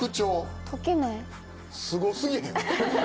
すご過ぎへん？